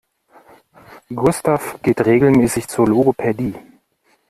Gustav geht regelmäßig zur Logopädie.